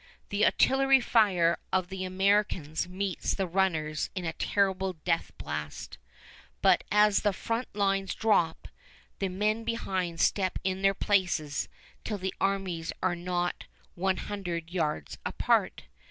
The artillery fire of the Americans meets the runners in a terrible death blast; but as the front lines drop, the men behind step in their places till the armies are not one hundred yards apart.